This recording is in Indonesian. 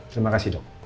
terima kasih dok